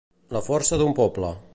La força d'un poble.